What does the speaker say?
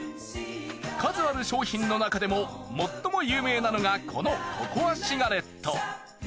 数ある商品のなかでも最も有名なのがこのココアシガレット。